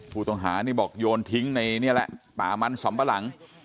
ผู้ต้องหานี่บอกโยนทิ้งในนี่แหละป่ามันสำปะหลัง